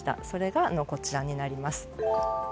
それが、こちらになります。